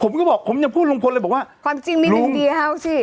ผมก็บอกผมยังพูดลุงพลเลยบอกว่าความจริงมีหนึ่งเดียวสิ